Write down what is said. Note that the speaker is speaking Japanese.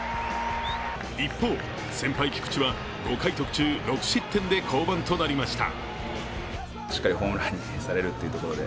一方、先輩・菊池は５回途中、６失点で降板となりました。